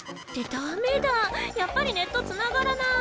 ダメだぁやっぱりネットつながらない。